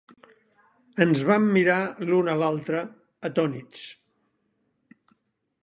Ens vam mirar l'un a l'altre, atònits.